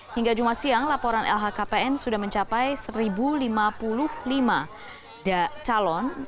hingga jumat siang laporan lhkpn sudah mencapai satu lima puluh lima calon